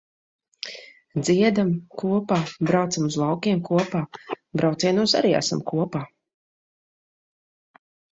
Dziedam kopā, braucam uz laukiem kopā, braucienos arī esam kopā.